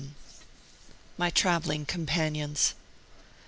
MY TRAVELLING COMPANIONS.